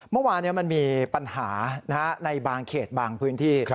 เมื่อวานมันมีปัญหาในบางเขตบางพื้นที่